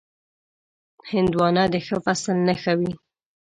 هندوانه د ښه فصل نښه وي.